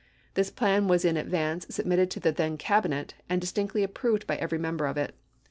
This plan was in advance submitted to the then Cabinet, and distinctly approved by every member of it.